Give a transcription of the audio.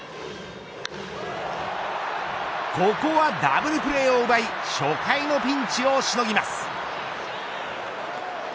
ここはダブルプレーを奪い初回のピンチをしのぎます。